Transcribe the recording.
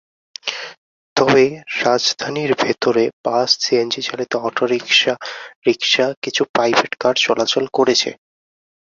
তবে রাজধানীর ভেতরে বাস, সিএনজিচালিত অটোরিকশা, রিকশা, কিছু প্রাইভেট কার চলাচল করেছে।